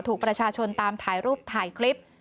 ถูกประชาชนตามถ่ายรูปถ่ายคลิป